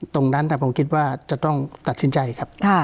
ตรงนั้นผมคิดว่าจะต้องตัดสินใจครับ